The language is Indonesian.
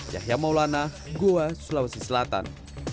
yahya maulana goa sulawesi selatan